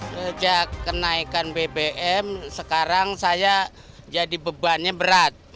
sejak kenaikan bbm sekarang saya jadi bebannya berat